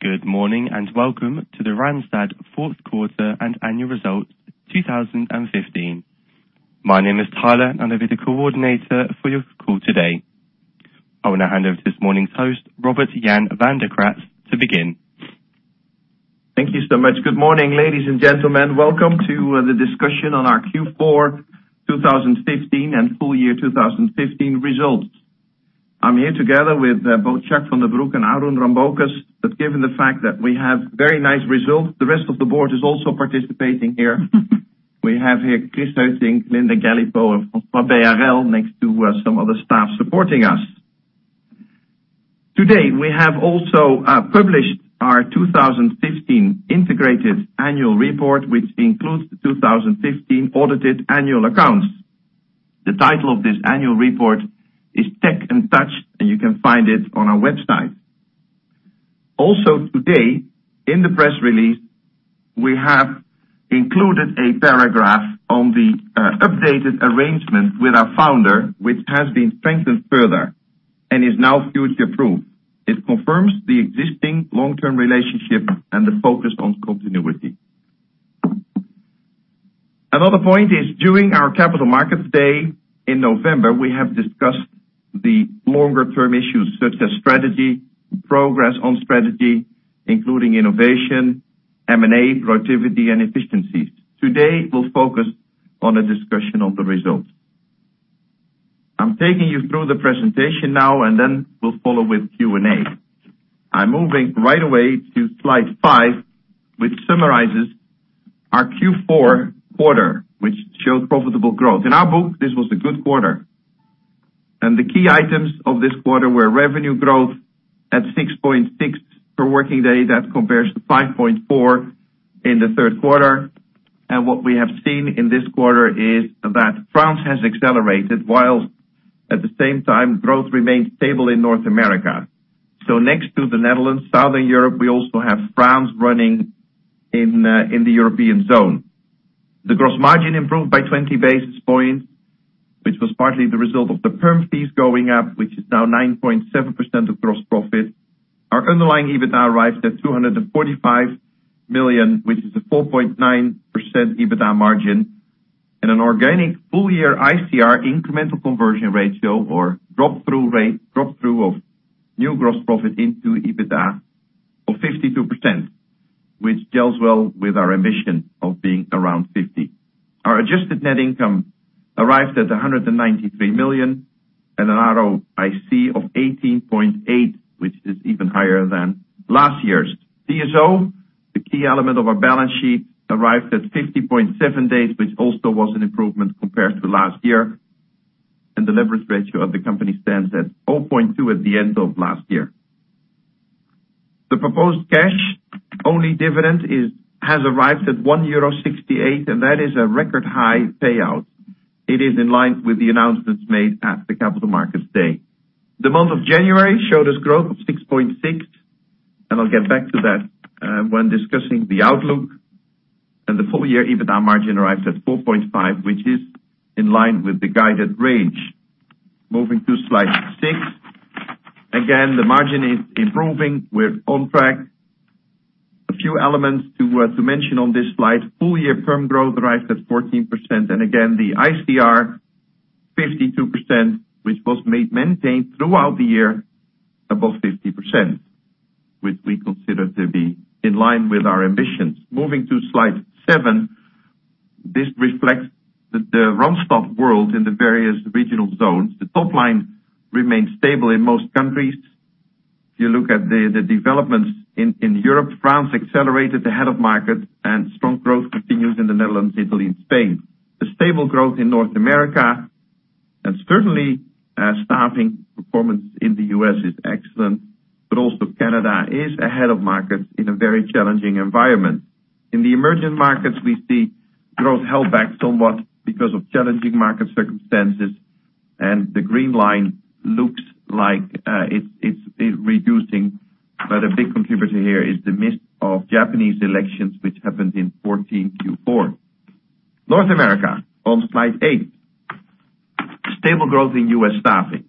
Good morning, welcome to the Randstad fourth quarter and annual results 2015. My name is Tyler, I will be the coordinator for your call today. I will now hand over to this morning's host, Robert Jan van de Kraats, to begin. Thank you so much. Good morning, ladies and gentlemen. Welcome to the discussion on our Q4 2015 and full year 2015 results. I'm here together with both Jacques van den Broek and Arun Rambocus. Given the fact that we have very nice results, the rest of the board is also participating here. We have here Chris Heutink, Linda Galipeau, and François Béharel next to some other staff supporting us. Today, we have also published our 2015 integrated annual report, which includes the 2015 audited annual accounts. The title of this annual report is "Tech & Touch," you can find it on our website. Also today, in the press release, we have included a paragraph on the updated arrangement with our founder, which has been strengthened further and is now future-proof. It confirms the existing long-term relationship and the focus on continuity. Another point is during our Capital Markets Day in November, we have discussed the longer-term issues such as strategy, progress on strategy, including innovation, M&A, productivity, and efficiencies. Today, we will focus on a discussion of the results. I'm taking you through the presentation now, we'll follow with Q&A. I'm moving right away to slide five, which summarizes our Q4 quarter, which showed profitable growth. In our book, this was a good quarter. The key items of this quarter were revenue growth at 6.6 per working day. That compares to 5.4 in the third quarter. What we have seen in this quarter is that France has accelerated, while at the same time, growth remains stable in North America. Next to the Netherlands, Southern Europe, we also have France running in the European zone. The gross margin improved by 20 basis points, which was partly the result of the perm fees going up, which is now 9.7% of gross profit. Our underlying EBITDA arrives at 245 million, which is a 4.9% EBITDA margin. An organic full-year ICR, Incremental Conversion Ratio, or drop through of new gross profit into EBITDA of 52%, which gels well with our ambition of being around 50. Our adjusted net income arrived at 193 million and an ROIC of 18.8, which is even higher than last year's. DSO, the key element of our balance sheet, arrived at 50.7 days, which also was an improvement compared to last year. The leverage ratio of the company stands at 0.2 at the end of last year. The proposed cash-only dividend has arrived at €1.68, that is a record high payout. It is in line with the announcements made at the Capital Markets Day. The month of January showed us growth of 6.6%, and I'll get back to that when discussing the outlook. The full-year EBITDA margin arrives at 4.5%, which is in line with the guided range. Moving to slide six. Again, the margin is improving. We're on track. A few elements to mention on this slide. Full-year perm growth arrives at 14%. Again, the ICR, 52%, which was maintained throughout the year above 50%, which we consider to be in line with our ambitions. Moving to slide seven. This reflects the Randstad world in the various regional zones. The top line remains stable in most countries. If you look at the developments in Europe, France accelerated ahead of market and strong growth continues in the Netherlands, Italy, and Spain. The stable growth in North America and certainly staffing performance in the U.S. is excellent, but also Canada is ahead of markets in a very challenging environment. In the emerging markets, we see growth held back somewhat because of challenging market circumstances, the green line looks like it's reducing. A big contributor here is the midst of Japanese elections, which happened in 2014 Q4. North America on slide eight. Stable growth in U.S. staffing.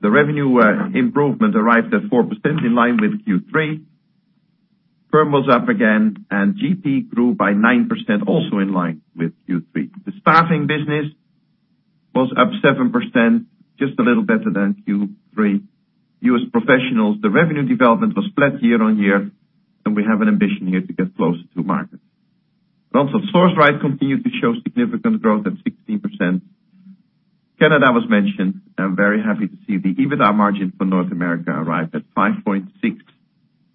The revenue improvement arrived at 4%, in line with Q3. Perm was up again, and GP grew by 9%, also in line with Q3. The staffing business was up 7%, just a little better than Q3. U.S. professionals, the revenue development was flat year-on-year, and we have an ambition here to get closer to market. Also SourceRight continued to show significant growth at 16%. Canada was mentioned. I'm very happy to see the EBITDA margin for North America arrive at 5.6%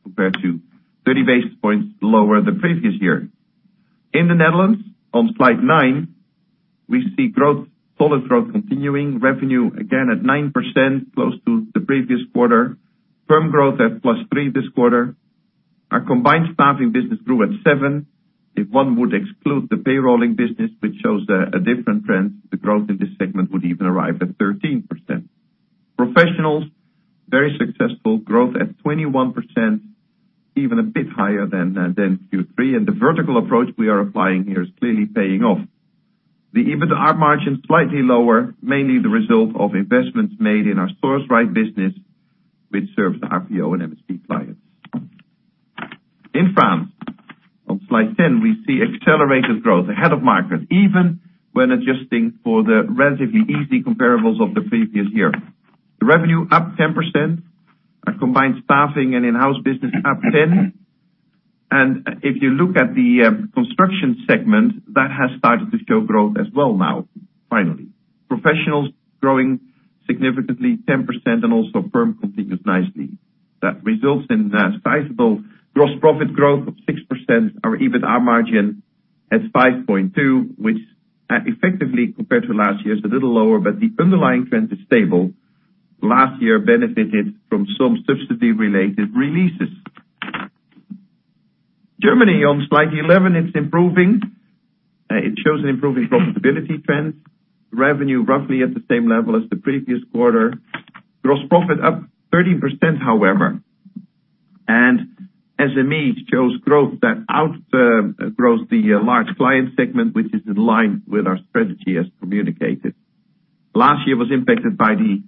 compared to 30 basis points lower the previous year. In the Netherlands, on slide nine, we see solid growth continuing. Revenue again at 9%, close to the previous quarter. Perm growth at plus 3% this quarter. Our combined staffing business grew at 7%. If one would exclude the payrolling business, which shows a different trend, the growth in this segment would even arrive at 13%. Professionals, very successful. Growth at 21%, even a bit higher than Q3. The vertical approach we are applying here is clearly paying off. The EBITA margin slightly lower, mainly the result of investments made in our SourceRight business, which serves the RPO and MSP clients. In France, on slide 10, we see accelerated growth ahead of market, even when adjusting for the relatively easy comparables of the previous year. The revenue up 10%, our combined staffing and in-house business up 10%. If you look at the construction segment, that has started to show growth as well now, finally. Professionals growing significantly, 10%, and also perm continues nicely. That results in a sizable gross profit growth of 6%, our EBITA margin at 5.2%, which effectively, compared to last year, is a little lower, but the underlying trend is stable. Last year benefited from some subsidy-related releases. Germany on slide 11, it's improving. It shows improving profitability trends. Revenue roughly at the same level as the previous quarter. Gross profit up 13%, however. SMEs shows growth that outgrows the large client segment, which is in line with our strategy as communicated. Last year was impacted by the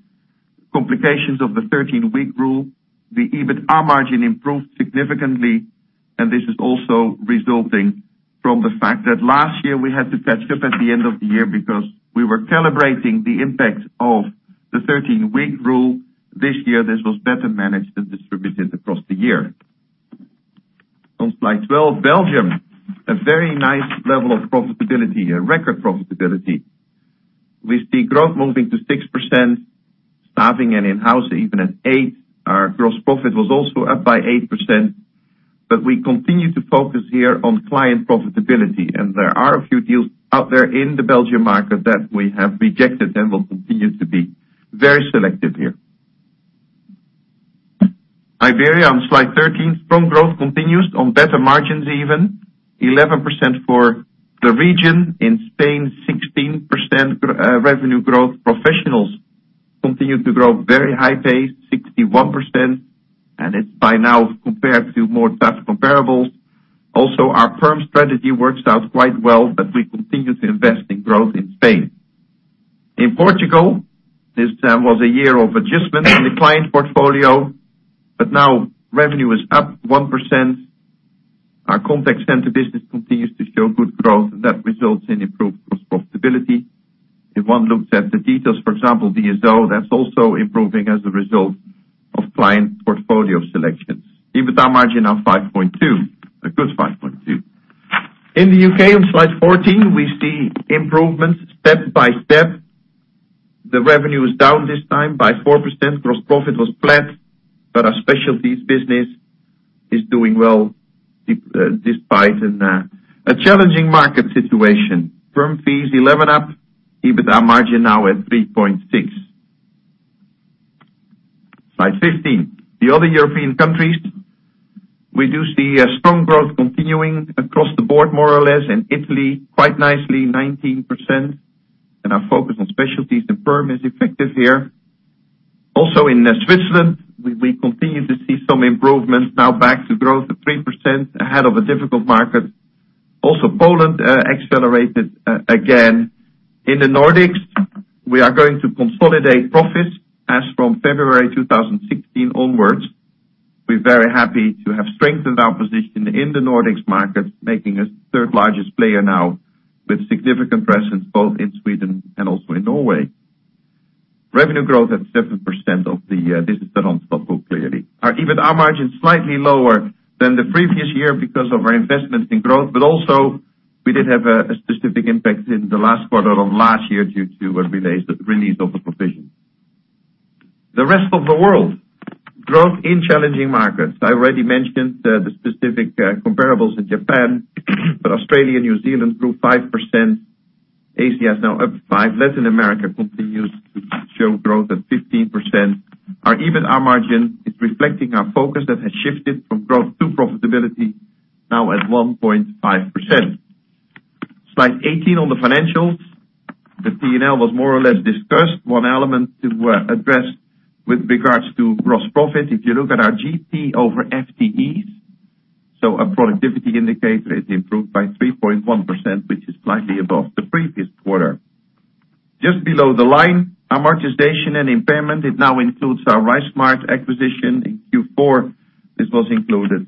complications of the 13-week rule. The EBITA margin improved significantly, and this is also resulting from the fact that last year we had to catch up at the end of the year because we were calibrating the impact of the 13-week rule. This year, this was better managed and distributed across the year. On slide 12, Belgium, a very nice level of profitability, a record profitability. We see growth moving to 6%, staffing and in-house even at 8%. Our gross profit was also up by 8%, but we continue to focus here on client profitability, and there are a few deals out there in the Belgium market that we have rejected and will continue to be very selective here. Iberia on slide 13. Strong growth continues on better margins even, 11% for the region. In Spain, 16% revenue growth. Professionals continue to grow very high pace, 61%, and it's by now compared to more tough comparables. Our firm strategy works out quite well, but we continue to invest in growth in Spain. In Portugal, this term was a year of adjustment in the client portfolio, but now revenue is up 1%. Our contact center business continues to show good growth, and that results in improved gross profitability. If one looks at the details, for example, DSO, that's also improving as a result of client portfolio selections. EBITA margin of 5.2, a good 5.2. In the U.K., on slide 14, we see improvements step by step. The revenue is down this time by 4%. Gross profit was flat, but our specialties business is doing well despite a challenging market situation. Firm fees 11% up, EBITA margin now at 3.6. Slide 15. The other European countries, we do see strong growth continuing across the board, more or less. In Italy, quite nicely, 19%, and our focus on specialties and firm is effective here. Also in Switzerland, we continue to see some improvements now back to growth of 3% ahead of a difficult market. Also, Poland accelerated again. In the Nordics, we are going to consolidate profits as from February 2016 onwards. We're very happy to have strengthened our position in the Nordics market, making us third largest player now with significant presence both in Sweden and also in Norway. Revenue growth at 7% of the year. This is the [Randstad book], clearly. Our EBITA margin is slightly lower than the previous year because of our investment in growth, but also we did have a specific impact in the last quarter of last year due to a release of the provision. The rest of the world. Growth in challenging markets. I already mentioned the specific comparables in Japan, but Australia and New Zealand grew 5%. ACIA is now up 5%. Latin America continues to show growth at 15%. Our EBITA margin is reflecting our focus that has shifted from growth to profitability now at 1.5%. Slide 18 on the financials. The P&L was more or less discussed. One element were addressed with regards to gross profit. If you look at our GP over FTEs, so our productivity indicator is improved by 3.1%, which is slightly above the previous quarter. Just below the line, amortization and impairment, it now includes our RiseSmart acquisition. In Q4, this was included.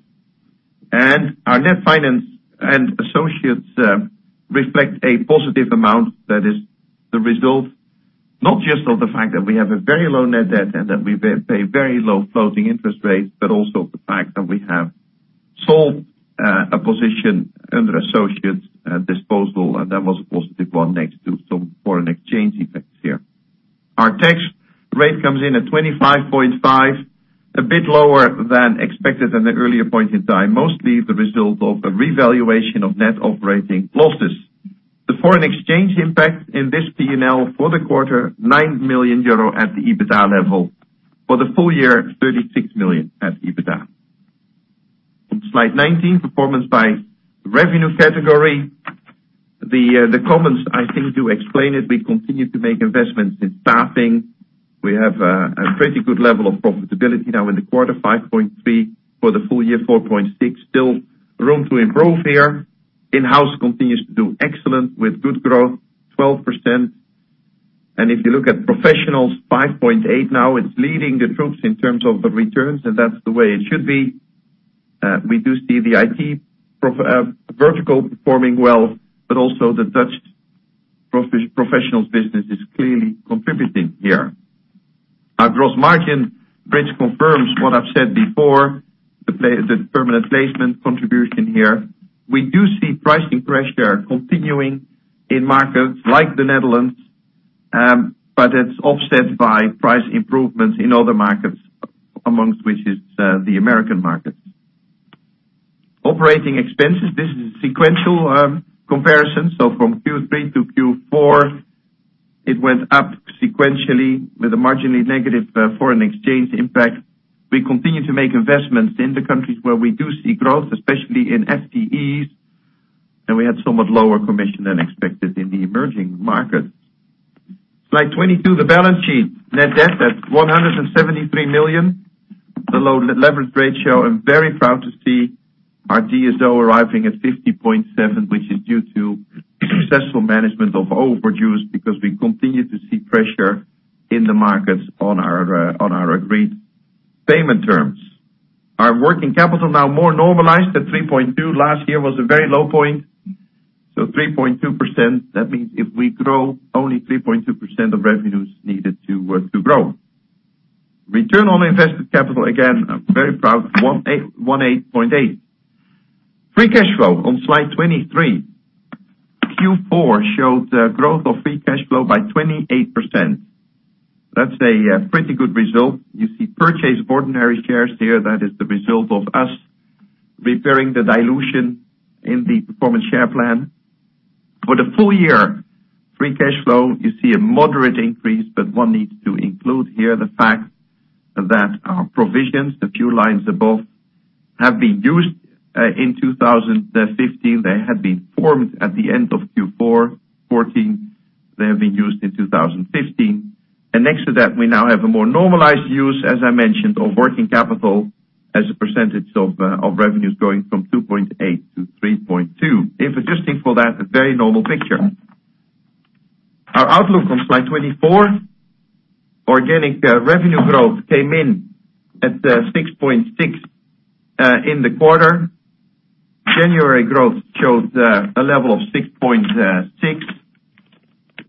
Our net finance and associates reflect a positive amount that is the result, not just of the fact that we have a very low net debt and that we pay very low floating interest rates, but also the fact that we have sold a position under associates disposal, and that was a positive one next to some foreign exchange effects here. Our tax rate comes in at 25.5%, a bit lower than expected in the earlier point in time, mostly the result of a revaluation of net operating losses. The foreign exchange impact in this P&L for the quarter, 9 million euro at the EBITA level. For the full year, 36 million at the EBITA. On slide 19, performance by revenue category. The comments, I think to explain it, we continue to make investments in staffing. We have a pretty good level of profitability now in the quarter, 5.3% for the full year, 4.6%. Still room to improve here. In-house continues to do excellent with good growth, 12%. If you look at professionals, 5.8% now. It's leading the troops in terms of the returns, and that's the way it should be. We do see the IT vertical performing well, but also the Dutch professionals business is clearly contributing here. Our gross margin bridge confirms what I've said before, the permanent placement contribution here. We do see pricing pressure continuing in markets like the Netherlands, but it's offset by price improvements in other markets, amongst which is the American market. Operating expenses. This is a sequential comparison. From Q3 to Q4, it went up sequentially with a marginally negative foreign exchange impact. We continue to make investments in the countries where we do see growth, especially in FTEs, and we had somewhat lower commission than expected in the emerging markets. Slide 22, the balance sheet. Net debt at 173 million. The leverage ratio, I'm very proud to see our DSO arriving at 50.7, which is due to successful management of overdues, because we continue to see pressure in the markets on our agreed payment terms. Our working capital now more normalized at 3.2%. Last year was a very low point, 3.2%, that means if we grow, only 3.2% of revenues needed to grow. Return on invested capital, again, I'm very proud, 18.8%. Free cash flow on slide 23. Q4 showed a growth of free cash flow by 28%. That's a pretty good result. You see purchase of ordinary shares there. That is the result of us repairing the dilution in the performance share plan. For the full year free cash flow, you see a moderate increase, but one needs to include here the fact that our provisions, a few lines above, have been used in 2015. They had been formed at the end of Q4 2014. They have been used in 2015. Next to that, we now have a more normalized use, as I mentioned, of working capital as a percentage of revenues going from 2.8% to 3.2%. If adjusting for that, a very normal picture. Our outlook on slide 24. Organic revenue growth came in at 6.6% in the quarter. January growth showed a level of 6.6%.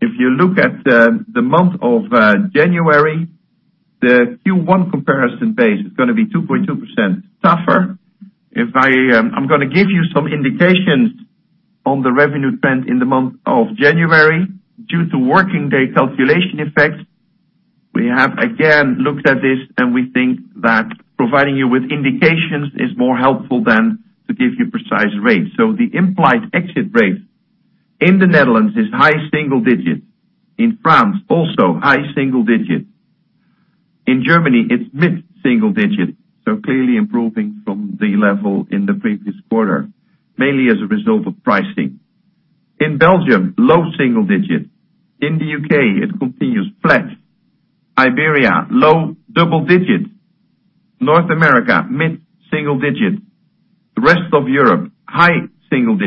If you look at the month of January, the Q1 comparison base is going to be 2.2% tougher. I'm going to give you some indications on the revenue trend in the month of January due to working day calculation effects. We have, again, looked at this. We think that providing you with indications is more helpful than to give you precise rates. The implied exit rates in the Netherlands is high single digits. In France, also high single digits. In Germany, it's mid-single digits, clearly improving from the level in the previous quarter, mainly as a result of pricing. In Belgium, low single digits. In the U.K., it continues flat. Iberia, low double digits. North America, mid-single digits. The rest of Europe, high single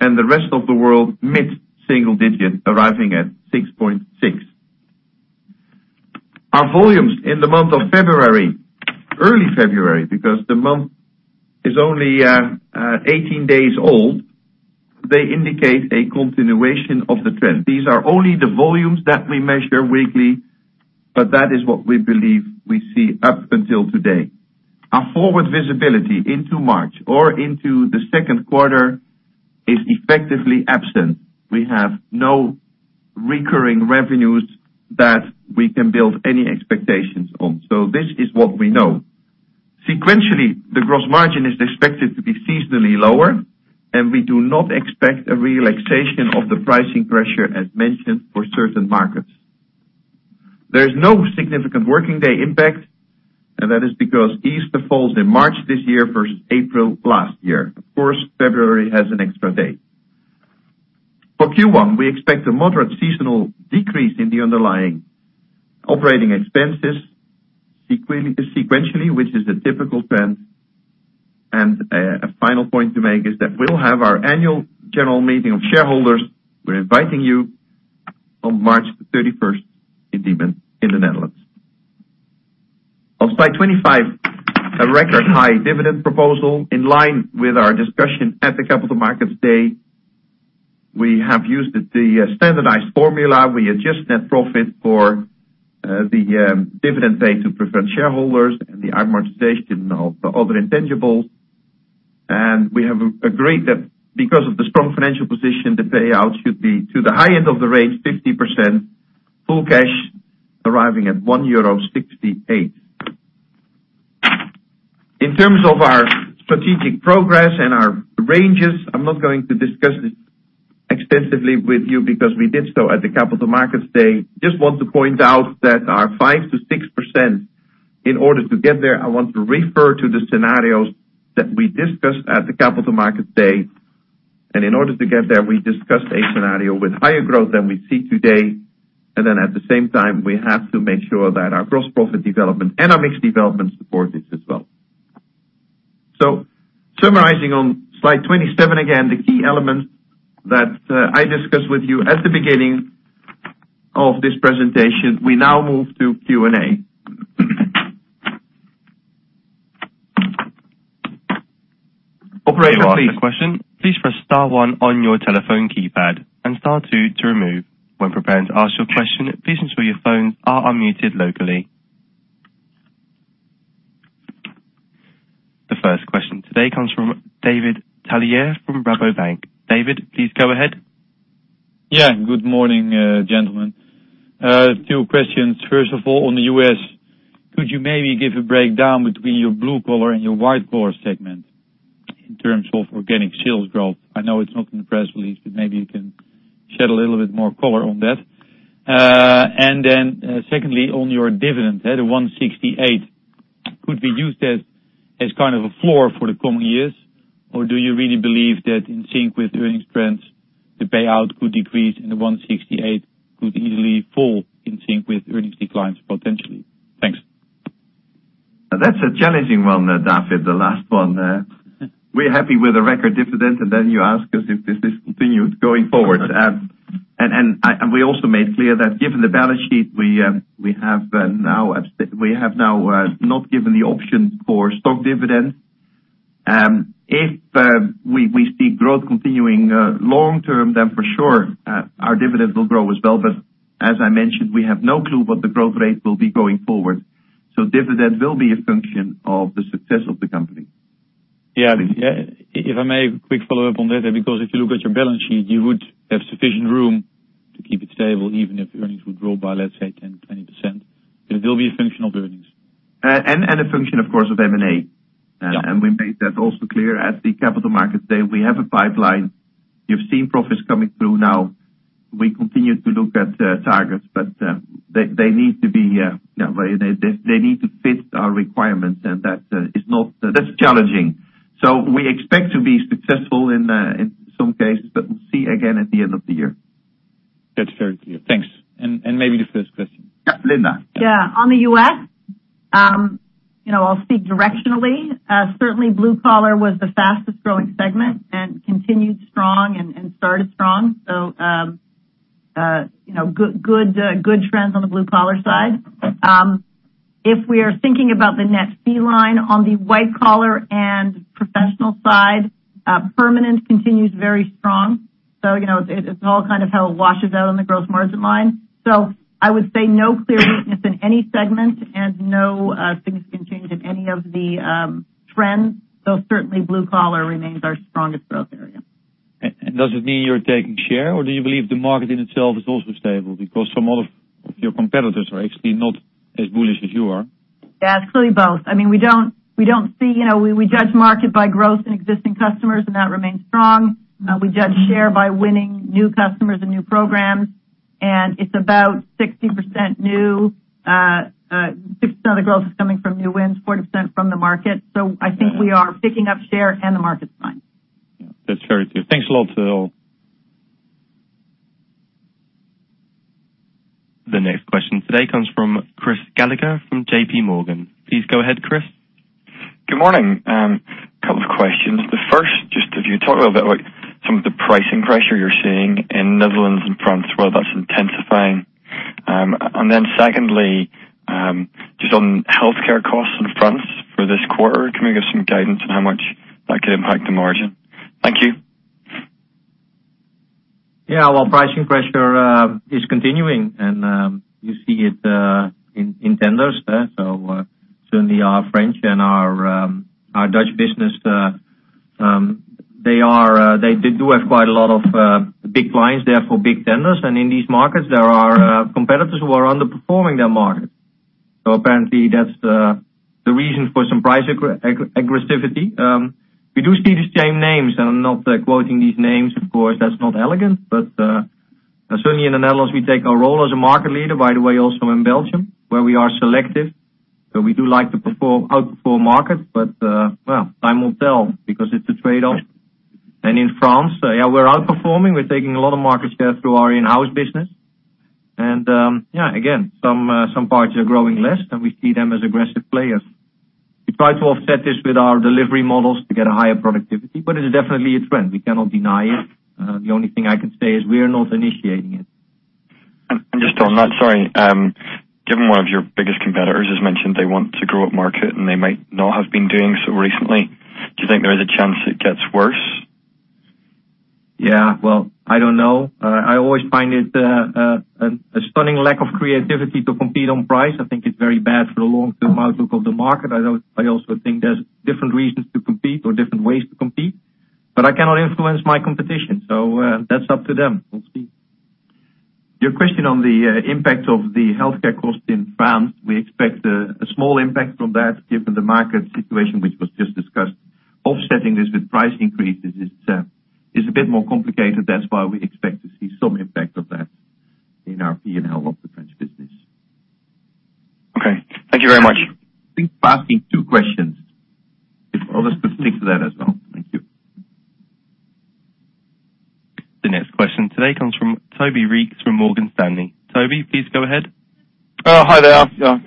digits, the rest of the world, mid-single digits, arriving at 6.6. Our volumes in the month of February, early February, because the month is only 18 days old, they indicate a continuation of the trend. These are only the volumes that we measure weekly. That is what we believe we see up until today. Our forward visibility into March or into the second quarter is effectively absent. We have no recurring revenues that we can build any expectations on. This is what we know. Sequentially, the gross margin is expected to be seasonally lower. We do not expect a relaxation of the pricing pressure as mentioned for certain markets. There is no significant working day impact. That is because Easter falls in March this year versus April last year. Of course, February has an extra day. For Q1, we expect a moderate seasonal decrease in the underlying operating expenses sequentially, which is a typical trend. A final point to make is that we'll have our annual general meeting of shareholders. We're inviting you on March 31st in Diemen in the Netherlands. On slide 25, a record high dividend proposal in line with our discussion at the Capital Markets Day. We have used the standardized formula. We adjust net profit for the dividend paid to preferred shareholders and the amortization of other intangibles. We have agreed that because of the strong financial position, the payout should be to the high end of the range, 50%, full cash, arriving at 1.68 euro. In terms of our strategic progress and our ranges, I'm not going to discuss this extensively with you because we did so at the Capital Markets Day. Just want to point out that our 5%-6%, in order to get there, I want to refer to the scenarios that we discussed at the Capital Markets Day. In order to get there, we discussed a scenario with higher growth than we see today. At the same time, we have to make sure that our gross profit development and our mix development support this as well. Summarizing on slide 27, again, the key elements that I discussed with you at the beginning of this presentation, we now move to Q&A. Operator, please. To ask a question, please press star one on your telephone keypad, and star two to remove. When preparing to ask your question, please ensure your phones are unmuted locally. The first question today comes from David Tailleur from Rabobank. David, please go ahead. Yeah. Good morning, gentlemen. Two questions. First of all, on the U.S., could you maybe give a breakdown between your blue collar and your white collar segment in terms of organic sales growth? I know it's not in the press release, but maybe you can shed a little bit more color on that. Then, secondly, on your dividend, the 1.68, could we use that as kind of a floor for the coming years, or do you really believe that in sync with earnings trends, the payout could decrease and the 1.68 could easily fall in sync with earnings declines potentially? Thanks. That's a challenging one there, David, the last one there. We're happy with the record dividend, then you ask us if this is continued going forward. We also made clear that given the balance sheet, we have now not given the option for stock dividend. If we see growth continuing long term, for sure our dividend will grow as well. As I mentioned, we have no clue what the growth rate will be going forward. Dividend will be a function of the success of the company. If I may, a quick follow-up on that there, because if you look at your balance sheet, you would have sufficient room to keep it stable, even if earnings would grow by, let's say, 10%, 20%. It will be a function of earnings. A function, of course, of M&A. Yeah. We made that also clear at the Capital Markets Day. We have a pipeline. You've seen Proffice coming through now. We continue to look at targets, but they need to fit our requirements, and that's challenging. We expect to be successful in some cases, but we'll see again at the end of the year. That's very clear. Thanks. Maybe the first question. Yep. Linda. Yeah. On the U.S., I'll speak directionally. Certainly, blue collar was the fastest-growing segment and continued strong and started strong, good trends on the blue collar side. If we are thinking about the net fee line on the white collar and professional side, permanent continues very strong. It's all kind of how it washes out on the gross margin line. I would say no clear weakness in any segment and no significant change in any of the trends, though certainly blue collar remains our strongest growth area. Does it mean you're taking share, or do you believe the market in itself is also stable? Some of your competitors are actually not as bullish as you are. Yeah. It's clearly both. We judge market by growth in existing customers, that remains strong. We judge share by winning new customers and new programs, it's about 60% new. 60% of the growth is coming from new wins, 40% from the market. I think we are picking up share and the market's fine. Yeah. That's very clear. Thanks a lot to all. The next question today comes from Chris Gallagher from JP Morgan. Please go ahead, Chris. Good morning. Couple of questions. The first, just if you talk a little bit about some of the pricing pressure you're seeing in Netherlands and France, whether that's intensifying. Secondly, just on healthcare costs in France for this quarter, can we get some guidance on how much that could impact the margin? Thank you. Yeah. Pricing pressure is continuing, and you see it in tenders. Certainly our French and our Dutch business, they do have quite a lot of big clients there for big tenders. In these markets, there are competitors who are underperforming their market. Apparently, that's the reason for some price aggressivity. We do see the same names, and I'm not quoting these names, of course, that's not elegant. Certainly in the Netherlands, we take our role as a market leader, by the way, also in Belgium, where we are selective. We do like to outperform markets. Well, time will tell because it's a trade-off. In France, yeah, we're outperforming. We're taking a lot of market share through our in-house business. Again, some parts are growing less, and we see them as aggressive players. We try to offset this with our delivery models to get a higher productivity, it's definitely a trend. We cannot deny it. The only thing I can say is we are not initiating it. Just on that, sorry. Given one of your biggest competitors has mentioned they want to grow upmarket and they might not have been doing so recently, do you think there is a chance it gets worse? Yeah. Well, I don't know. I always find it a stunning lack of creativity to compete on price. I think it's very bad for the long-term outlook of the market. I also think there's different reasons to compete or different ways to compete, I cannot influence my competition. That's up to them. We'll see. Your question on the impact of the healthcare cost in France, we expect a small impact from that given the market situation, which was just discussed. Offsetting this with price increases is a bit more complicated, that's why we expect to see some impact of that in our P&L of the French business. Okay. Thank you very much. Thanks for asking two questions. If others could stick to that as well. Thank you. The next question today comes from Toby Reeks from Morgan Stanley. Toby, please go ahead. Hi there.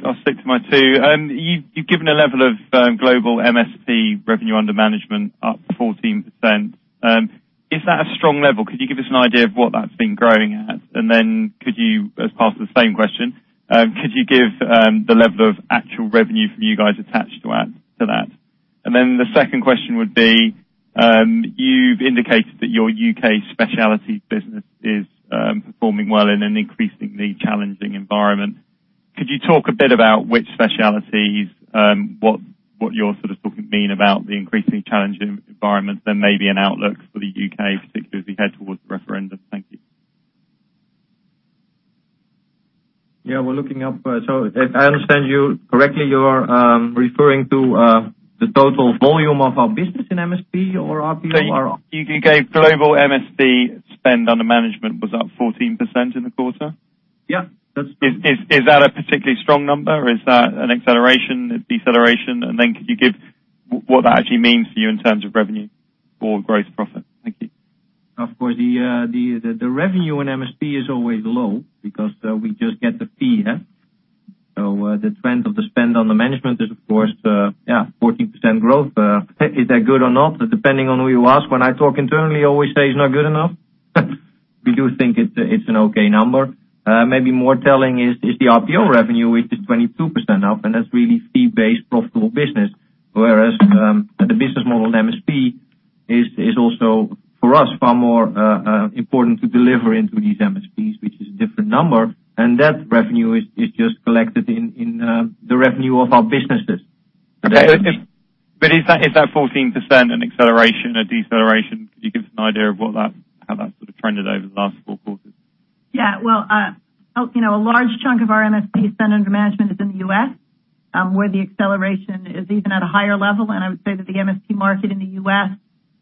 I'll stick to my two. You've given a level of global MSP revenue under management up 14%. Is that a strong level? Could you give us an idea of what that's been growing at? Could you, as part of the same question, give the level of actual revenue from you guys attached to that? The second question would be, you've indicated that your U.K. specialty business is performing well in an increasingly challenging environment. Could you talk a bit about which specialties, what you're sort of talking mean about the increasing challenging environment than maybe an outlook for the U.K., particularly as we head towards the referendum? Thank you. Yeah. If I understand you correctly, you are referring to the total volume of our business in MSP or RPO. You gave global MSP spend under management was up 14% in the quarter. Yeah. That's true. Is that a particularly strong number? Is that an acceleration, a deceleration? Then could you give what that actually means for you in terms of revenue or gross profit? Thank you. Of course, the revenue in MSP is always low because we just get the fee. The trend of the spend under management is, of course, 14% growth. Is that good or not? Depending on who you ask. When I talk internally, I always say it's not good enough. We do think it's an okay number. Maybe more telling is the RPO revenue, which is 22% up, and that's really fee-based profitable business. The business model in MSP is also, for us, far more important to deliver into these MSPs, which is a different number, and that revenue is just collected in the revenue of our businesses. Okay. Is that 14% an acceleration, a deceleration? Could you give us an idea of how that sort of trended over the last four quarters? Yeah. Well, a large chunk of our MSP spend under management is in the U.S. where the acceleration is even at a higher level. I would say that the MSP market in the U.S.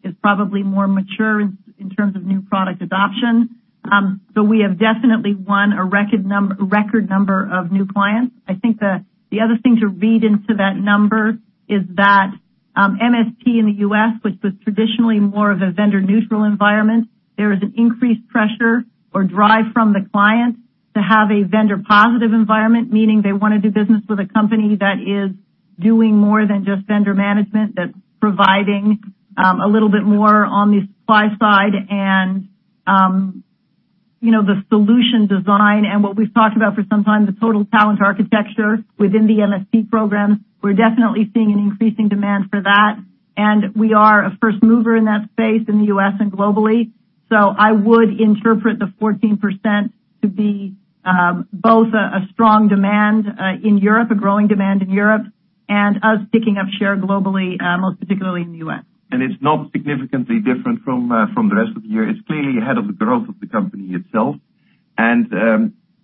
is probably more mature in terms of new product adoption. We have definitely won a record number of new clients. I think the other thing to read into that number is that MSP in the U.S., which was traditionally more of a vendor neutral environment, there is an increased pressure or drive from the client to have a vendor positive environment, meaning they want to do business with a company that is doing more than just vendor management, that's providing a little bit more on the supply side and the solution design and what we've talked about for some time, the total talent architecture within the MSP program. We're definitely seeing an increasing demand for that, and we are a first mover in that space in the U.S. and globally. I would interpret the 14% to be both a strong demand in Europe, a growing demand in Europe, and us picking up share globally, most particularly in the U.S. It's not significantly different from the rest of the year. It's clearly ahead of the growth of the company itself.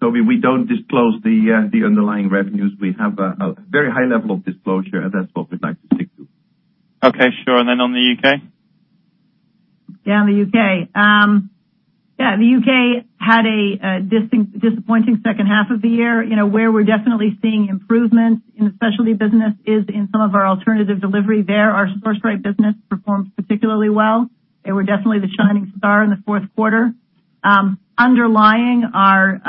Toby, we don't disclose the underlying revenues. We have a very high level of disclosure, and that's what we'd like to stick to. Okay, sure. On the U.K.? Yeah, on the U.K. The U.K. had a disappointing second half of the year. Where we're definitely seeing improvements in the specialty business is in some of our alternative delivery. There, our SourceRight business performed particularly well. They were definitely the shining star in the fourth quarter. Underlying our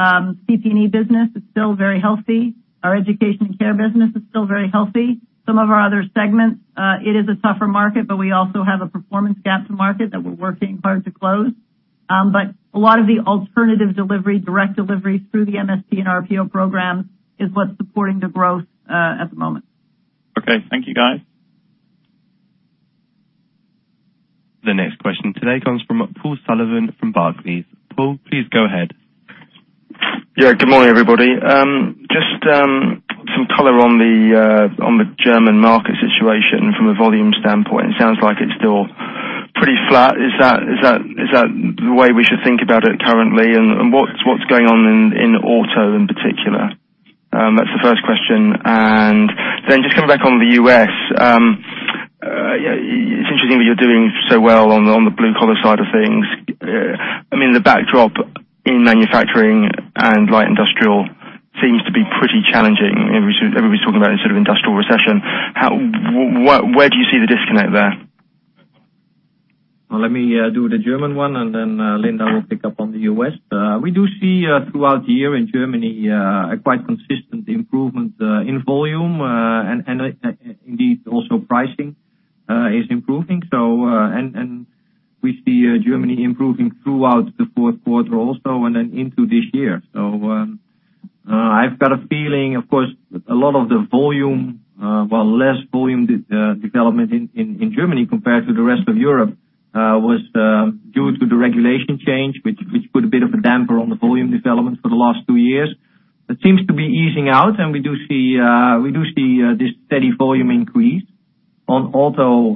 CP&E business is still very healthy. Our education and care business is still very healthy. Some of our other segments, it is a tougher market, but we also have a performance gap to market that we're working hard to close. A lot of the alternative delivery, direct deliveries through the MSP and RPO programs is what's supporting the growth at the moment. Okay. Thank you, guys. The next question today comes from Paul Sullivan from Barclays. Paul, please go ahead. Yeah. Good morning, everybody. Just some color on the German market situation from a volume standpoint. It sounds like it's still pretty flat. Is that the way we should think about it currently? What's going on in auto in particular? That's the first question. Just coming back on the U.S. It's interesting that you're doing so well on the blue collar side of things. The backdrop in manufacturing and light industrial seems to be pretty challenging. Everybody's talking about sort of industrial recession. Where do you see the disconnect there? Well, let me do the German one. Linda will pick up on the U.S. We do see, throughout the year in Germany, a quite consistent improvement in volume. Indeed, also pricing is improving. We see Germany improving throughout the fourth quarter also and then into this year. I've got a feeling, of course, a lot of the volume, while less volume development in Germany compared to the rest of Europe, was due to the regulation change, which put a bit of a damper on the volume development for the last two years. It seems to be easing out, and we do see this steady volume increase. On auto,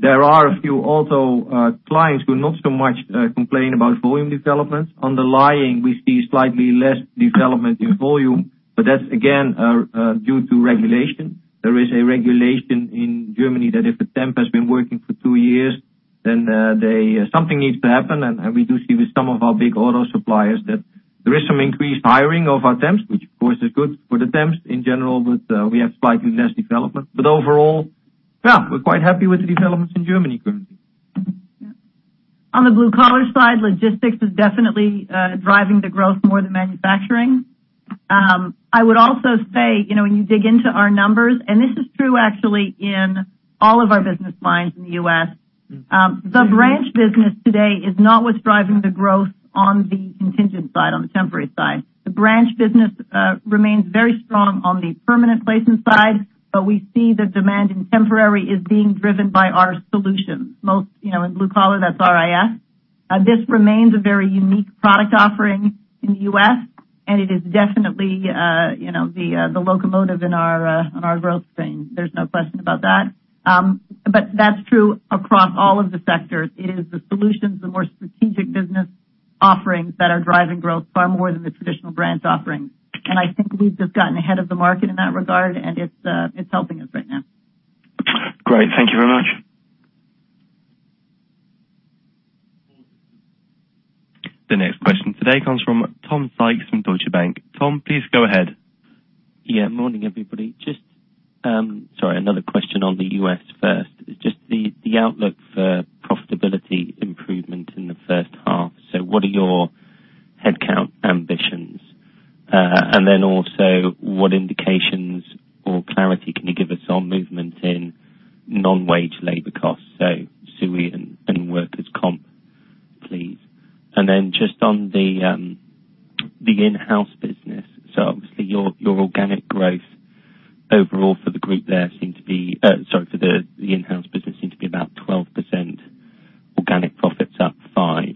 there are a few auto clients who not so much complain about volume development. Underlying, we see slightly less development in volume, but that's, again, due to regulation. There is a regulation in Germany that if a temp has been working for two years Something needs to happen. We do see with some of our big auto suppliers that there is some increased hiring of our temps, which of course is good for the temps in general, but we have slightly less development. Overall, we're quite happy with the developments in Germany currently. On the blue-collar side, logistics is definitely driving the growth more than manufacturing. I would also say, when you dig into our numbers, and this is true actually in all of our business lines in the U.S. The branch business today is not what's driving the growth on the contingent side, on the temporary side. The branch business remains very strong on the permanent placement side, but we see the demand in temporary is being driven by our solutions, in blue collar, that's RIS. This remains a very unique product offering in the U.S., and it is definitely the locomotive on our growth thing. There's no question about that. That's true across all of the sectors. It is the solutions, the more strategic business offerings that are driving growth far more than the traditional branch offerings. I think we've just gotten ahead of the market in that regard, and it's helping us right now. Great. Thank you very much. The next question today comes from Tom Sykes from Deutsche Bank. Tom, please go ahead. Morning, everybody. Sorry, another question on the U.S. first. The outlook for profitability improvement in the first half. What are your headcount ambitions? Also what indications or clarity can you give us on movement in non-wage labor costs? SUI and workers comp, please. On the Inhouse business. Obviously your organic growth overall for the group for the Inhouse business seemed to be about 12%, organic profits up 5%.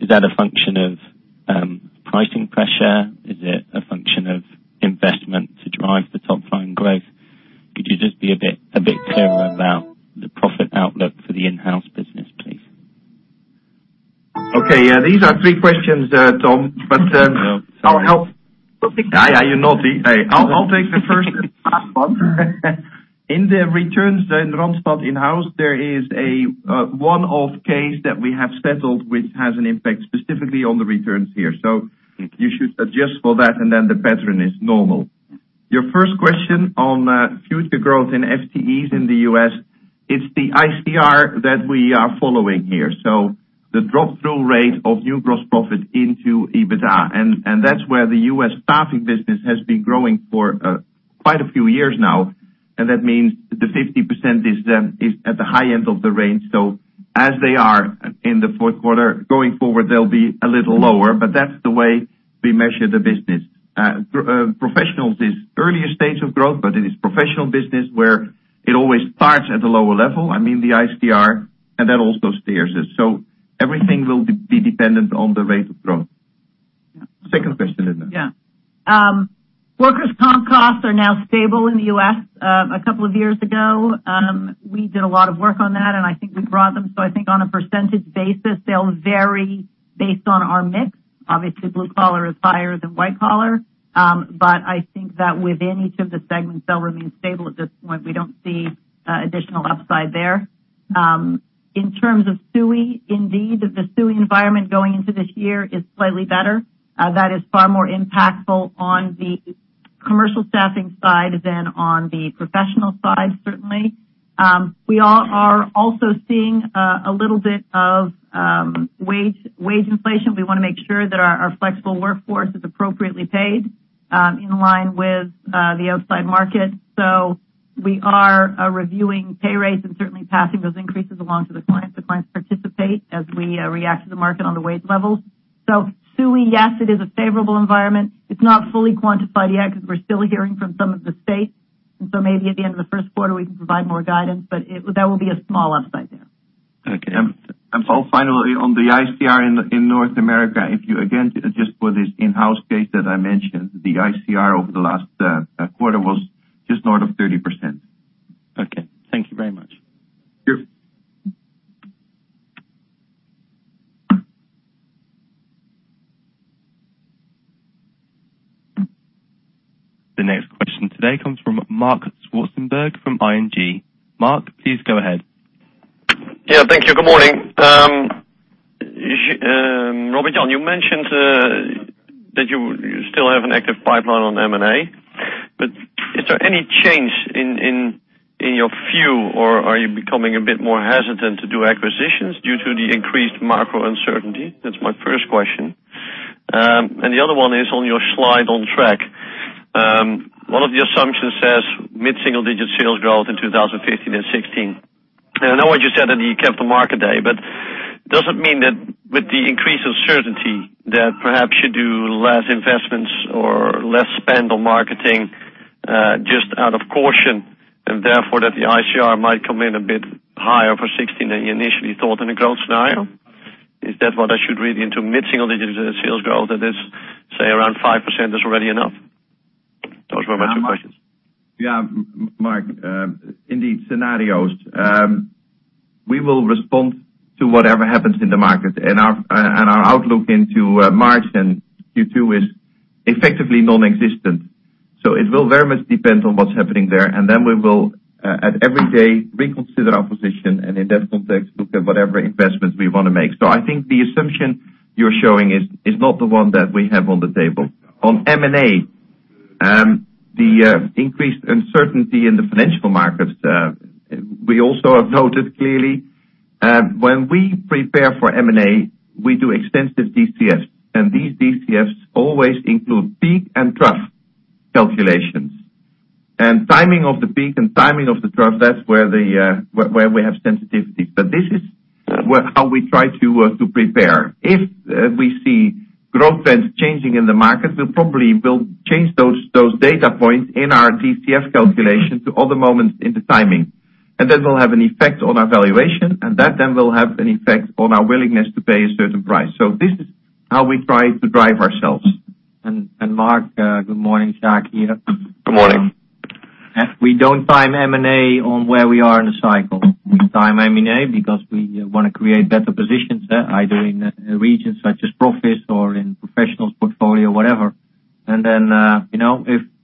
Is that a function of pricing pressure? Is it a function of investment to drive the top-line growth? Could you just be a bit clearer about the profit outlook for the Inhouse business, please? These are three questions there, Tom. I know. I'll help. You're naughty. I'll take the first and last one. In the returns, the Randstad Inhouse, there is a one-off case that we have settled, which has an impact specifically on the returns here. You should adjust for that, and then the pattern is normal. Your first question on future growth in FTEs in the U.S., it's the ICR that we are following here. The drop-through rate of new gross profit into EBITDA. That's where the U.S. staffing business has been growing for quite a few years now. That means the 50% is at the high end of the range. As they are in the fourth quarter, going forward, they'll be a little lower, but that's the way we measure the business. Professionals is earlier stage of growth, but it is professional business where it always starts at a lower level, I mean the ICR, and that also steers us. Everything will be dependent on the rate of growth. Second question is? Yeah. Workers' comp costs are now stable in the U.S. A couple of years ago, we did a lot of work on that, and I think we've grown them. I think on a percentage basis, they'll vary based on our mix. Obviously, blue collar is higher than white collar. I think that within each of the segments, they'll remain stable at this point. We don't see additional upside there. In terms of SUI, indeed, the SUI environment going into this year is slightly better. That is far more impactful on the commercial staffing side than on the professional side, certainly. We are also seeing a little bit of wage inflation. We want to make sure that our flexible workforce is appropriately paid in line with the outside market. We are reviewing pay rates and certainly passing those increases along to the clients. The clients participate as we react to the market on the wage levels. SUI, yes, it is a favorable environment. It's not fully quantified yet because we're still hearing from some of the states. Maybe at the end of the first quarter, we can provide more guidance, but that will be a small upside there. Okay. Finally, on the ICR in North America, if you again, just for this in-house case that I mentioned, the ICR over the last quarter was just north of 30%. Okay. Thank you very much. Sure. The next question today comes from Marc Zwartsenburg from ING. Marc, please go ahead. Yeah. Thank you. Good morning. Robert, you mentioned that you still have an active pipeline on M&A. Is there any change in your view, or are you becoming a bit more hesitant to do acquisitions due to the increased macro uncertainty? That's my first question. The other one is on your slide on track. One of the assumptions says mid-single digit sales growth in 2015 and 2016. I know what you said at the Capital Markets Day, does it mean that with the increase of certainty that perhaps you do less investments or less spend on marketing, just out of caution, and therefore that the ICR might come in a bit higher for 2016 than you initially thought in a growth scenario? Is that what I should read into mid-single digit sales growth, that is, say, around 5% is already enough? Those were my two questions. Yeah. Marc, in these scenarios, we will respond to whatever happens in the market. Our outlook into March and Q2 is effectively nonexistent. It will very much depend on what's happening there, and then we will, at every day, reconsider our position, and in that context, look at whatever investments we want to make. I think the assumption you're showing is not the one that we have on the table. On M&A, the increased uncertainty in the financial markets, we also have noted clearly. When we prepare for M&A, we do extensive DCFs, and these DCFs always include peak and trough calculations. Timing of the peak and timing of the trough, that's where we have sensitivity. This is how we try to prepare. If we see growth trends changing in the market, we probably will change those data points in our DCF calculation to other moments in the timing. That will have an effect on our valuation, and that then will have an effect on our willingness to pay a certain price. This is how we try to drive ourselves. Marc, good morning. Jacques, here. Good morning. We don't time M&A on where we are in the cycle. We time M&A because we want to create better positions, either in regions such as Proffice or in professionals portfolio, whatever. Then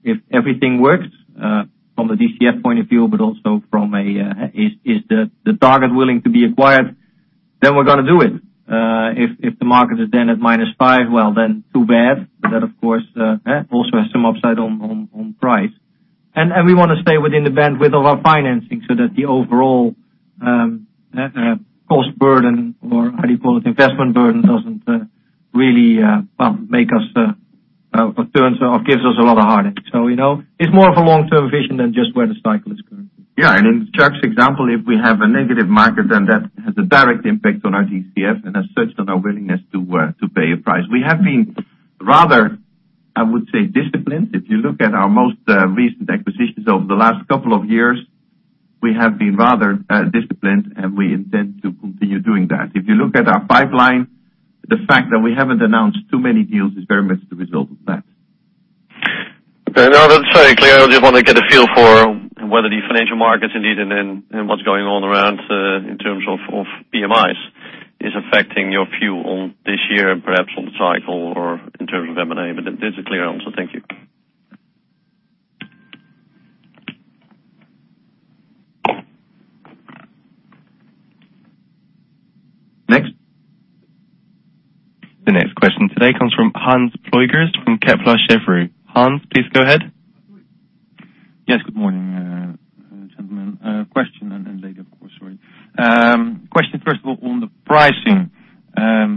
if everything works from the DCF point of view, but also from a, is the target willing to be acquired, then we're going to do it. If the market is then at minus five, well, then too bad. That, of course, also has some upside on price. We want to stay within the bandwidth of our financing so that the overall cost burden or how do you call it, investment burden doesn't really give us a lot of heartache. It's more of a long-term vision than just where the cycle is currently. In Jacques's example, if we have a negative market, then that has a direct impact on our DCF, and as such, on our willingness to pay a price. We have been rather, I would say, disciplined. If you look at our most recent acquisitions over the last couple of years, we have been rather disciplined, and we intend to continue doing that. If you look at our pipeline, the fact that we haven't announced too many deals is very much the result of that. Okay. No, that's very clear. I just want to get a feel for whether the financial markets indeed and what's going on around in terms of PMIs is affecting your view on this year and perhaps on the cycle or in terms of M&A. That's a clear answer. Thank you. Next. The next question today comes from Hans Pluijgers from Kepler Cheuvreux. Hans, please go ahead. Yes, good morning, gentlemen. Question and Linda, of course. Sorry. Question first of all on the pricing,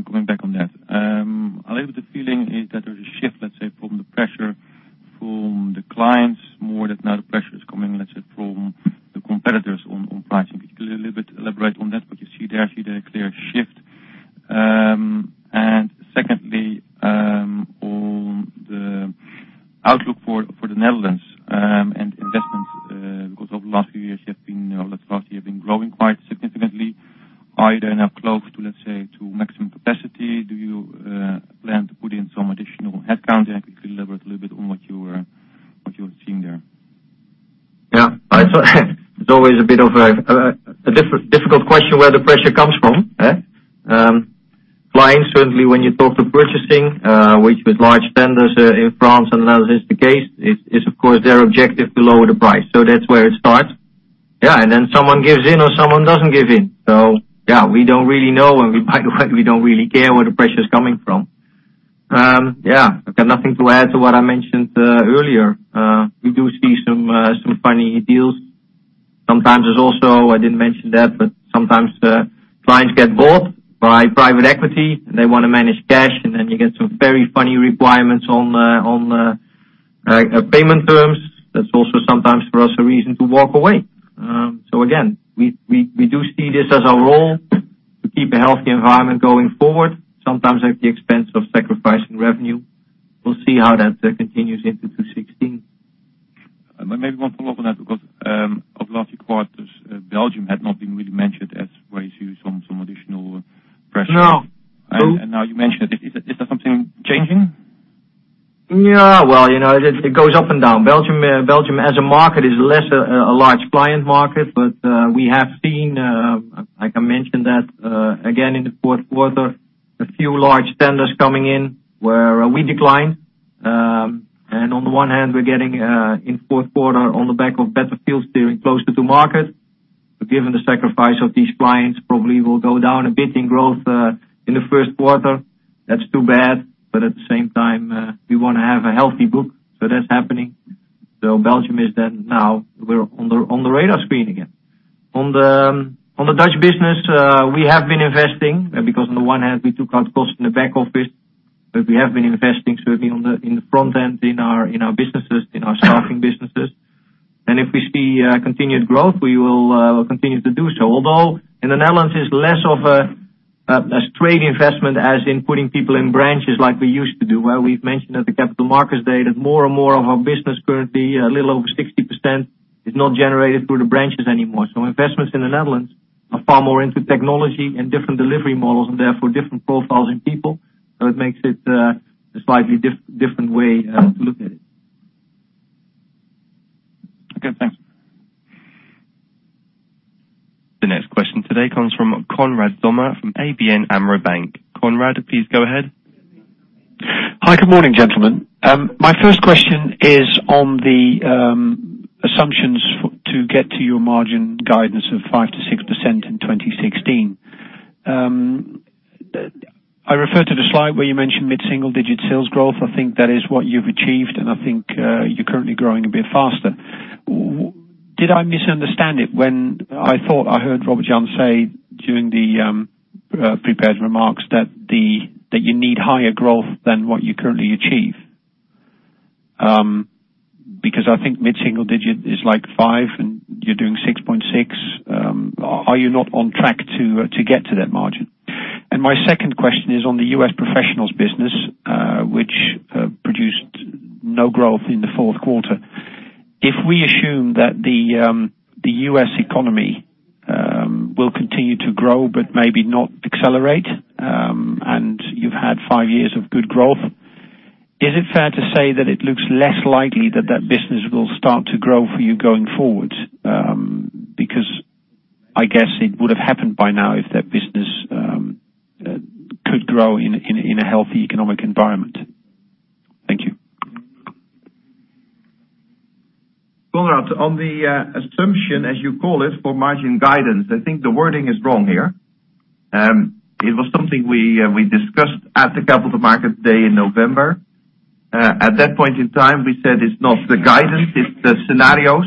going back on that. A little bit of feeling is that there's a shift, let's say, from the pressure from the clients, more that now the pressure is coming, let's say, from the competitors on pricing. Could you a little bit elaborate on that, what you see there? See there a clear shift. Secondly, on the outlook for the Netherlands and investments, because over the last few years you have been, or the last year, have been growing quite significantly, are you then now close to, let's say, to maximum capacity? Do you plan to put in some additional headcount there? If you could elaborate a little bit on what you're seeing there. It's always a bit of a difficult question, where the pressure comes from. Clients, certainly when you talk to purchasing, which with large tenders in France and the Netherlands is the case, it's of course their objective to lower the price. That's where it starts. Then someone gives in or someone doesn't give in. We don't really know, and quite frankly, we don't really care where the pressure is coming from. I've got nothing to add to what I mentioned earlier. We do see some funny deals. Sometimes there's also, I didn't mention that, but sometimes clients get bought by private equity and they want to manage cash, and then you get some very funny requirements on payment terms. That's also sometimes for us a reason to walk away. Again, we do see this as our role to keep a healthy environment going forward, sometimes at the expense of sacrificing revenue. We'll see how that continues into 2016. Maybe one follow up on that, because over the last few quarters, Belgium had not been really mentioned as where you see some additional pressure. No. Now you mentioned it. Is there something changing? Well, it goes up and down. Belgium as a market is less a large client market, but we have seen, I can mention that again in the fourth quarter, a few large tenders coming in where we declined. On the one hand, we're getting in fourth quarter on the back of better field steering closer to market. Given the sacrifice of these clients, probably will go down a bit in growth in the first quarter. That's too bad. At the same time, we want to have a healthy book. That's happening. Belgium is then now on the radar screen again. On the Dutch business, we have been investing because on the one hand, we took out costs in the back office, but we have been investing. We've been in the front end in our businesses, in our staffing businesses. If we see continued growth, we will continue to do so. Although in the Netherlands, it's less of a straight investment as in putting people in branches like we used to do, where we've mentioned at the Capital Markets Day that more and more of our business currently, a little over 60%, is not generated through the branches anymore. Investments in the Netherlands are far more into technology and different delivery models and therefore different profiles in people. It makes it a slightly different way to look at it. Okay, thanks. The next question today comes from Konrad Zomer from ABN AMRO Bank. Konrad, please go ahead. Hi, good morning, gentlemen. My first question is on the assumptions to get to your margin guidance of 5%-6% in 2016. I refer to the slide where you mentioned mid-single-digit sales growth. I think that is what you've achieved, and I think you're currently growing a bit faster. Did I misunderstand it when I thought I heard Robert-Jan say during the prepared remarks that you need higher growth than what you currently achieve? Because I think mid-single digit is like 5 and you're doing 6.6. Are you not on track to get to that margin? My second question is on the U.S. professionals business, which produced no growth in the fourth quarter. If we assume that the U.S. economy will continue to grow but maybe not accelerate, you've had 5 years of good growth, is it fair to say that it looks less likely that that business will start to grow for you going forward? I guess it would have happened by now if that business could grow in a healthy economic environment. Thank you. Konrad, on the assumption, as you call it, for margin guidance, I think the wording is wrong here. It was something we discussed at the Capital Markets Day in November. At that point in time, we said it's not the guidance, it's the scenarios.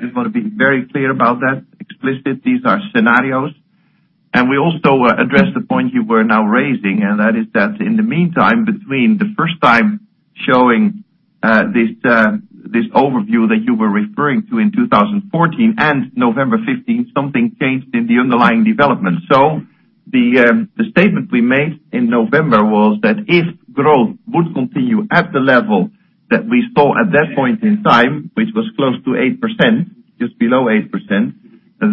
We want to be very clear about that, explicit. These are scenarios. We also addressed the point you were now raising, and that is that in the meantime, between the first time showing this overview that you were referring to in 2014 and November 2015, something changed in the underlying development. The statement we made in November was that if growth would continue at the level that we saw at that point in time, which was close to 8%, just below 8%,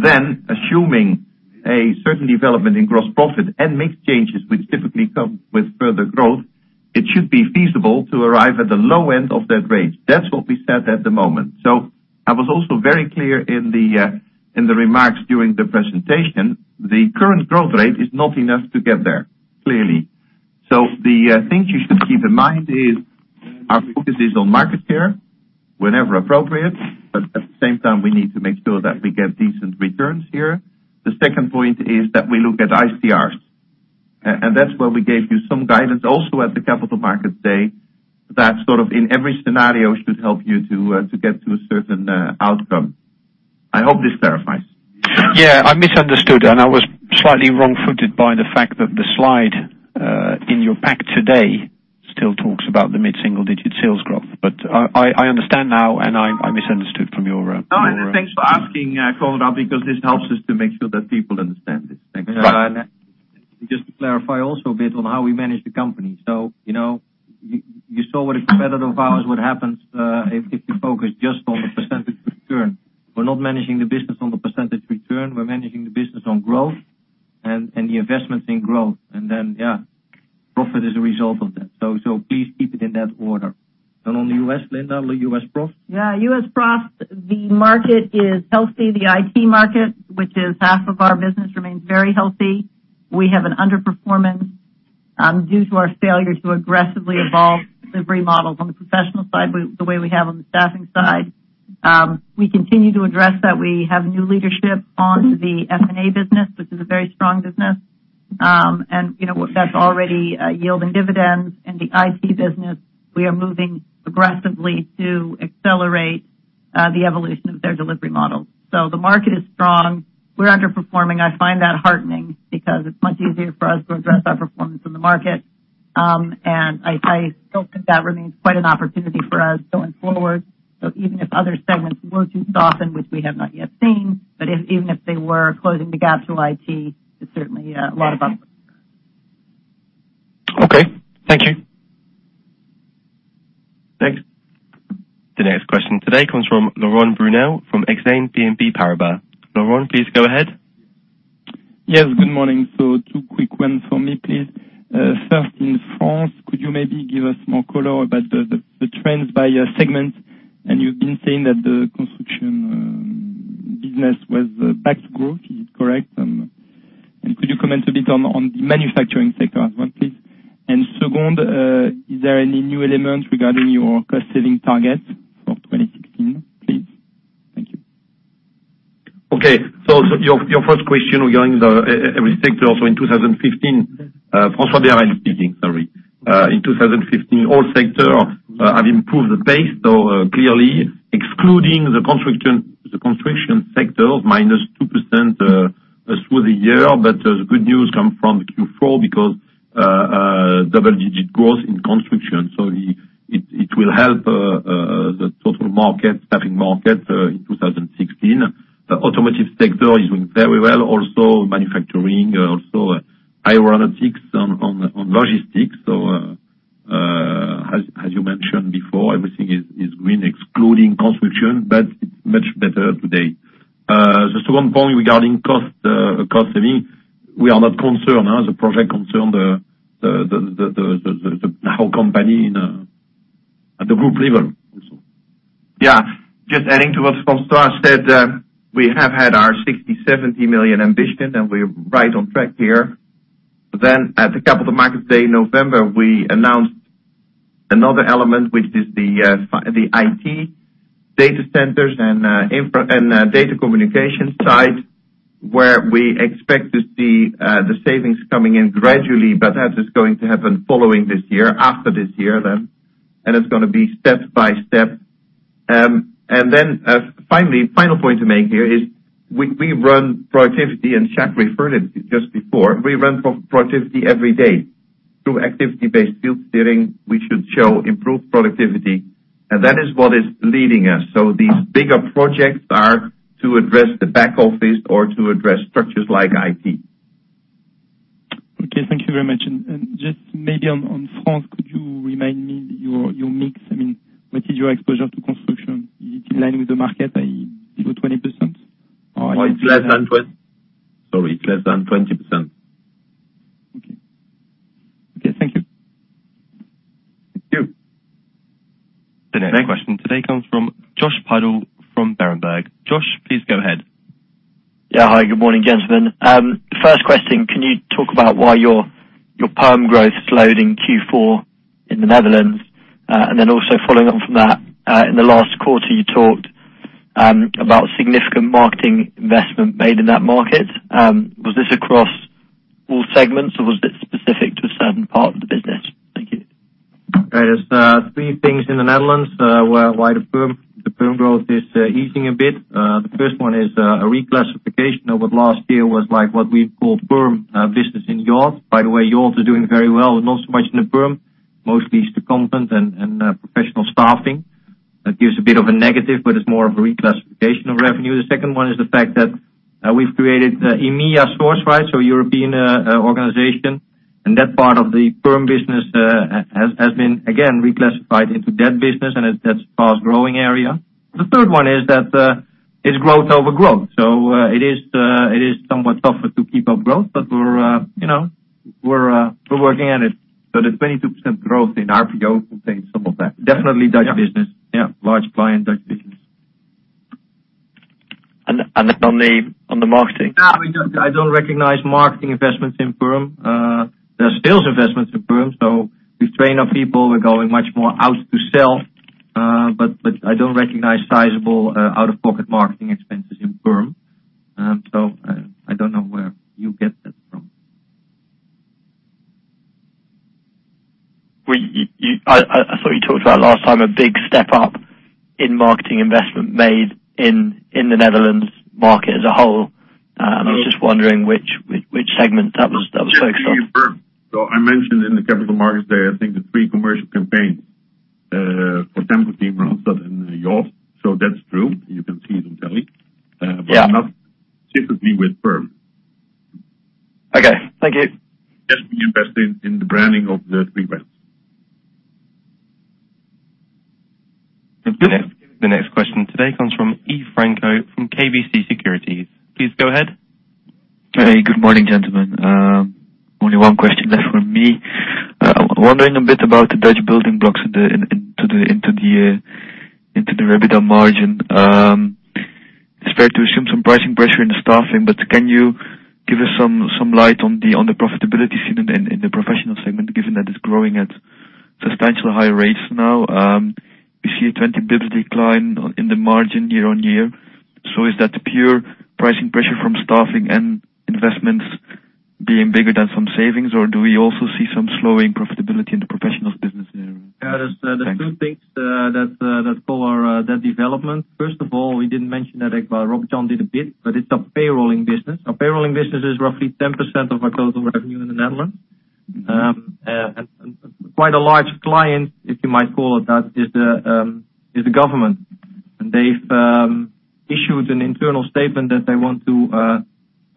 then assuming a certain development in Gross Profit and mix changes, which typically come with further growth, it should be feasible to arrive at the low end of that range. That's what we said at the moment. I was also very clear in the remarks during the presentation, the current growth rate is not enough to get there, clearly. The things you should keep in mind is our focus is on market share whenever appropriate, but at the same time, we need to make sure that we get decent returns here. The second point is that we look at ICRs. That's where we gave you some guidance also at the Capital Markets Day, that sort of in every scenario should help you to get to a certain outcome. I hope this clarifies. Yeah, I misunderstood, and I was slightly wrong-footed by the fact that the slide in your pack today still talks about the mid-single digit sales growth. I understand now. No, thanks for asking, Konrad, because this helps us to make sure that people understand this. Thanks. Just to clarify also a bit on how we manage the company. You saw with a competitor of ours what happens if you focus just on the percentage return. We're not managing the business on the percentage return, we're managing the business on growth and the investments in growth. Yeah, profit is a result of that. Please keep it in that order. U.S., Linda, the U.S. prof? Yeah, U.S. prof, the market is healthy. The IT market, which is half of our business, remains very healthy. We have an underperformance due to our failure to aggressively evolve delivery models on the professional side, but the way we have on the staffing side. We continue to address that. We have new leadership on the F&A business, which is a very strong business. That's already yielding dividends. In the IT business, we are moving aggressively to accelerate the evolution of their delivery model. The market is strong. We're underperforming. I find that heartening because it's much easier for us to address our performance in the market. I still think that remains quite an opportunity for us going forward. Even if other segments were to soften, which we have not yet seen, but even if they were closing the gap to IT, it's certainly a lot of us. Okay. Thank you. Thanks. The next question today comes from Laurent Brunelle from Exane BNP Paribas. Laurent, please go ahead. Yes, good morning. Two quick ones for me, please. First, in France, could you maybe give us more color about the trends by your segment? You've been saying that the construction business was backed growth. Is it correct? Could you comment a bit on the manufacturing sector as well, please? Second, is there any new elements regarding your cost-saving target for 2016, please? Thank you. Okay. Your first question regarding every sector. In 2015, François Béharel speaking, sorry. In 2015, all sector have improved the pace. Clearly excluding the construction sector of minus 2% through the year. The good news come from Q4 because double-digit growth in construction. It will help the total staffing market in 2016. The automotive sector is doing very well, also manufacturing, also aeronautics on logistics. As you mentioned before, everything is green excluding construction, but it's much better today. The second point regarding cost saving, we are not concerned. The project concerned the whole company in a At the group level also. Just adding to what François said, we have had our 60 million, 70 million ambition, we're right on track here. At the Capital Markets Day in November, we announced another element, which is the IT data centers and data communication side, where we expect to see the savings coming in gradually, that is going to happen following this year, after this year, it's going to be step by step. Final point to make here is we run productivity, Jacques referred it just before. We run productivity every day. Through activity-based field steering, we should show improved productivity, that is what is leading us. These bigger projects are to address the back office or to address structures like IT. Okay, thank you very much. Just maybe on France, could you remind me your mix? I mean, what is your exposure to construction? Is it in line with the market, below 20%? It's less than 20%. Sorry, it's less than 20%. Okay. Thank you. Thank you. The next question today comes from Josh Puddle from Berenberg. Josh, please go ahead. Yeah. Hi, good morning, gentlemen. First question, can you talk about why your perm growth slowed in Q4 in the Netherlands? Then also following on from that, in the last quarter, you talked about significant marketing investment made in that market. Was this across all segments, or was it specific to a certain part of the business? Thank you. There is three things in the Netherlands, why the perm growth is easing a bit. The first one is a reclassification of what last year was like what we've called perm business in Yacht. By the way, Yachts are doing very well, not so much in the perm, mostly it's the competent and professional staffing. That gives a bit of a negative, but it's more of a reclassification of revenue. The second one is the fact that we've created the EMEA Sourceright, so European organization. That part of the perm business has been, again, reclassified into that business, and that's a fast-growing area. The third one is that it's growth over growth. It is somewhat tougher to keep up growth, but we're working at it. The 22% growth in RPO contains some of that. Definitely Dutch business. Yeah. Large client, Dutch business. On the marketing? No, I don't recognize marketing investments in perm. There are sales investments in perm. We train our people. We're going much more out to sell. I don't recognize sizable out-of-pocket marketing expenses in perm. I don't know where you get that from. I thought you talked about last time a big step up in marketing investment made in the Netherlands market as a whole. I was just wondering which segment that was focused on. Just to confirm. I mentioned in the Capital Markets Day, I think the three commercial campaigns, for Tempo-Team, Randstad, and Yacht. That's true. You can see it in tele. Yeah. Not specifically with perm. Okay. Thank you. Just we invest in the branding of the three brands. The next question today comes from Yves Franco from KBC Securities. Please go ahead. Hey, good morning, gentlemen. Only one question left from me. Wondering a bit about the Dutch building blocks into the EBITDA margin. It is fair to assume some pricing pressure in staffing, but can you give us some light on the profitability seen in the professional segment, given that it is growing at substantial higher rates now? We see a 20 basis points decline in the margin year-on-year. Is that pure pricing pressure from staffing and investments being bigger than some savings, or do we also see some slowing profitability in the professionals business? Yeah. There are two things that follow that development. First of all, we did not mention that, but Rob Jan did a bit, but it is a payrolling business. Our payrolling business is roughly 10% of our total revenue in the Netherlands. Quite a large client, if you might call it that, is the government. They have issued an internal statement that they want to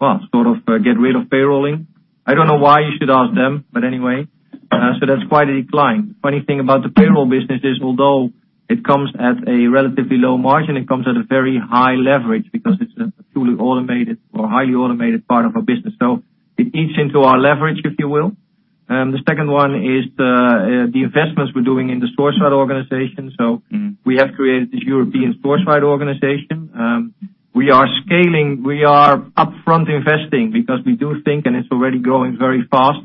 sort of get rid of payrolling. I do not know why. You should ask them. Anyway. That is quite a decline. Funny thing about the payroll business is although it comes at a relatively low margin, it comes at a very high leverage because it is a fully automated or highly automated part of our business. It eats into our leverage, if you will. The second one is the investments we are doing in the Sourceright organization. We have created this European Sourceright organization. We are scaling. We are upfront investing because we do think, and it is already growing very fast,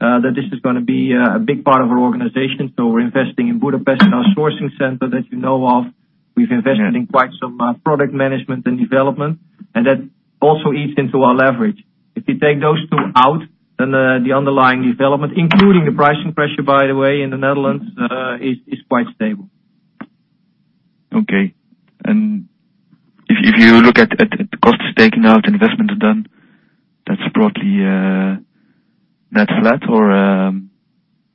that this is going to be a big part of our organization. We are investing in Budapest, our sourcing center that you know of. We've invested in quite some product management and development, that also eats into our leverage. If you take those two out, the underlying development, including the pricing pressure, by the way, in the Netherlands, is quite stable. Okay. If you look at the costs taken out, investment done, that's broadly net flat or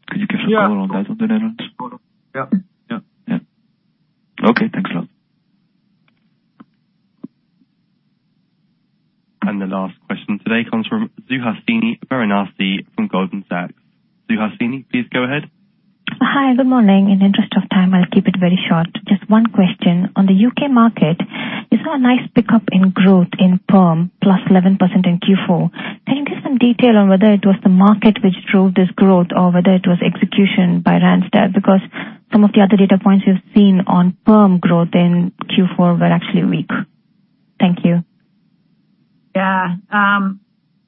could you give a call on that on the Netherlands? Yeah. Okay. Thanks a lot. The last question today comes from Suhasini Varanasi from Goldman Sachs. Suhasini, please go ahead. Hi, good morning. In interest of time, I'll keep it very short. Just one question. On the U.K. market, you saw a nice pickup in growth in perm, +11% in Q4. Can you give some detail on whether it was the market which drove this growth or whether it was execution by Randstad? Because some of the other data points we've seen on perm growth in Q4 were actually weak. Thank you. Yeah.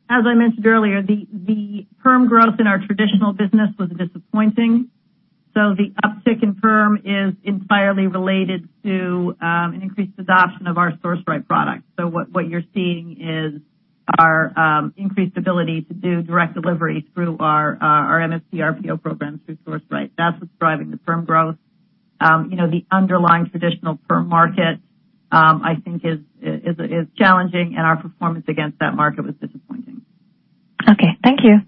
As I mentioned earlier, the perm growth in our traditional business was disappointing. The uptick in perm is entirely related to an increased adoption of our Sourceright product. What you're seeing is our increased ability to do direct delivery through our MSP RPO program through Sourceright. That's what's driving the perm growth. The underlying traditional perm market, I think is challenging, and our performance against that market was disappointing. Okay. Thank you.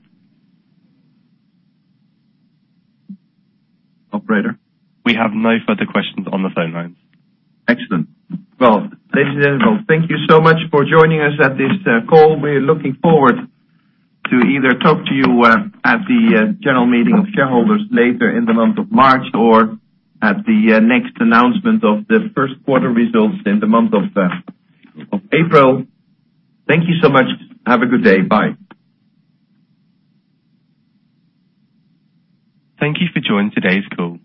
Operator? We have no further questions on the phone lines. Excellent. Well, ladies and gentlemen, thank you so much for joining us at this call. We're looking forward to either talk to you at the general meeting of shareholders later in the month of March or at the next announcement of the first quarter results in the month of April. Thank you so much. Have a good day. Bye. Thank you for joining today's call.